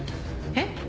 えっ？